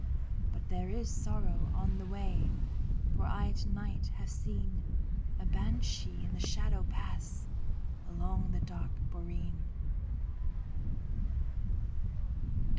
But there is sorrow on the way, For I to night have seen A banshee in the shadow pass Along the dark boreen.